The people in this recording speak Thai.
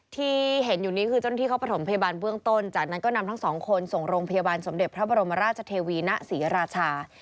ที่เห็นอยู่นี้คือเจ้าหน้าที่เขาประถมพยาบาลเบื้องต้นจากนั้นก็นำทั้งสองคนส่งโรงพยาบาลสมเด็จพระบรมราชเทวีณศรีราชา